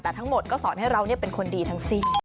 แต่ทั้งหมดก็สอนให้เราเป็นคนดีทั้งสิ้น